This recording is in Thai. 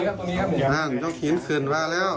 นะยกขึ้นนั่นยกหินขึ้นมาแล้ว